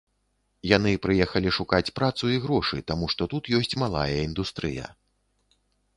Яны прыехалі шукаць працу і грошы, таму што тут ёсць малая індустрыя.